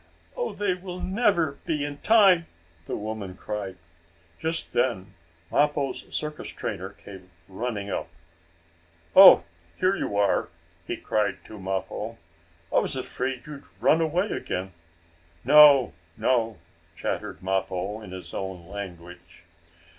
"Oh, they will never be in time!" the woman cried. Just then Mappo's circus trainer came running up. "Oh, here you are!" he cried to Mappo. "I was afraid you had run away again." "No! No!" chattered Mappo, in his own language.